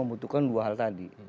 itu kan dua hal tadi